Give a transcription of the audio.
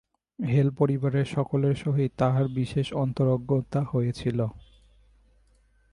হেল-পরিবারের সকলের সহিত তাঁহার বিশেষ অন্তরঙ্গতা হইয়াছিল।